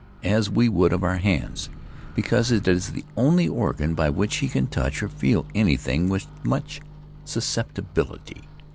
as we would of our hands; because it is the only organ by which he can touch or feel anything with much susceptibility.